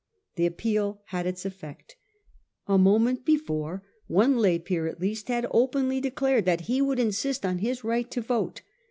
The appeal had its effect. A moment before one lay peer at least had openly declared that he would insist on his right to vote.